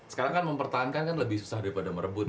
sekarang kan mempertahankan kan lebih susah daripada merebut tuh